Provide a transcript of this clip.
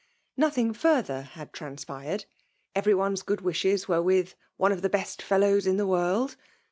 No« thing further had transpired. Every one*s good wishes were with ''one of the best fel* lows in the world."